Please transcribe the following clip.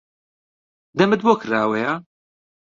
دەمت بۆ کراوەیە؟